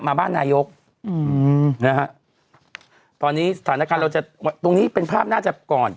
มาบ้านนายกอืมนะฮะตอนนี้สถานการณ์เราจะตรงนี้เป็นภาพน่าจะก่อน